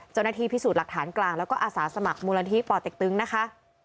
เจ้าหน้าที่พิสูจน์หลักฐานกลางแล้วก็อาสาสมัครมูลนิธิป่อเต็กตึงนะคะ